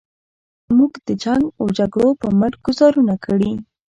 موږ د جنګ و جګړو په مټ ګوزارونه کړي.